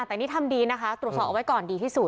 แต่นี่ทำดีนะคะตรวจสอบเอาไว้ก่อนดีที่สุด